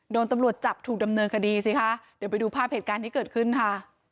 โดนตำรวจจับถูกดำเนินคดีสิคะเดี๋ยวไปดูภาพเหตุการณ์ที่เกิดขึ้นค่ะ